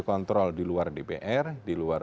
kontrol di luar dpr di luar